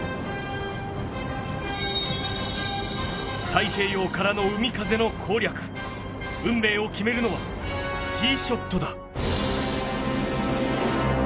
太平洋からの海風の攻略運命を決めるのはティーショットだ。